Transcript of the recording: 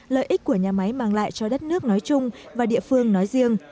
lợi ích của nhà máy mang lại cho đất nước nói chung và địa phương nói riêng